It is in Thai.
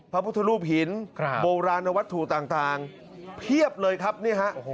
พระพุทธรูปหินโบราณวัตถุต่างเพียบเลยครับนี่ฮะ